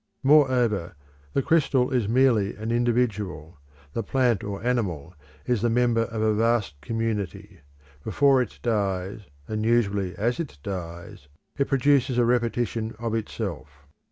Moreover, the crystal is merely an individual; the plant or animal is the member of a vast community; before it dies, and usually as it dies, it produces a repetition of itself.